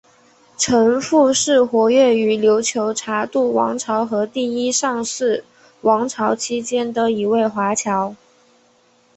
程复是活跃于琉球察度王朝和第一尚氏王朝期间的一位华侨。